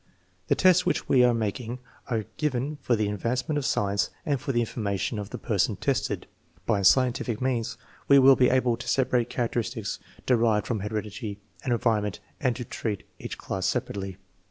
"The tests which we are making are given for the advancement of science and for the information of the person tested. By scientific means we will be able to separate character istics derived from heredity and environment and to treat each class separately.